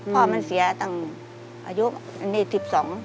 พ่อมันเสียต่างอายุอันนี้๑๒